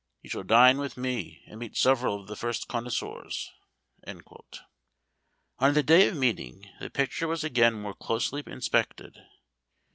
You shall dine with me, and meet several of the first connoisseurs." On the day of meeting, the picture was again more closely inspected.